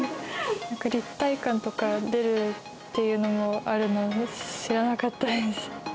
立体感とか出るっていうのもあるのも知らなかったです。